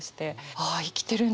ああ生きてるんだ